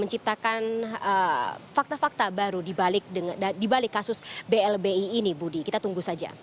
menciptakan fakta fakta baru dibalik kasus blbi ini budi kita tunggu saja